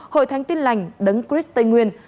hội thánh tin lành đấng cris tây nguyên